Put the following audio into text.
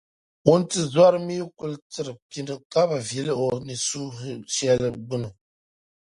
wuntizɔra mi kul tiri pini ka bi vili o ni su shɛli gbini.